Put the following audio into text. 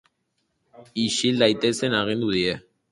Ixil daitezen agindu die.